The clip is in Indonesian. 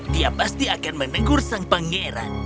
dia pasti akan menegur sang pangeran